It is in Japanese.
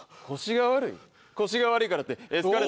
腰が悪いからってエスカレーター。